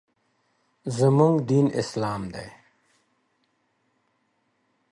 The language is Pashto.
موږ دین اسلام دی .